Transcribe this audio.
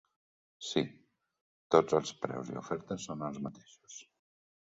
Sí, tots els preus i ofertes són els mateixos.